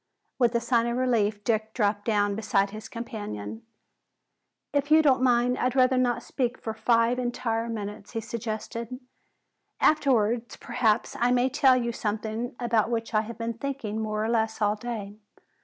With a sigh of relief Dick dropped down beside his companion. "If you don't mind, I'd rather not speak for five entire minutes," he suggested. "Afterwards perhaps I may tell you something about which I have been thinking more or less all day.